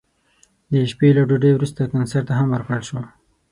د شپې له ډوډۍ وروسته کنسرت هم ورکړل شو.